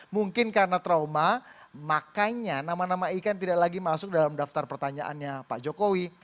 mungkin karena trauma makanya nama nama ikan tidak lagi masuk dalam daftar pertanyaannya pak jokowi